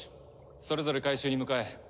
それぞれ回収に向かえ。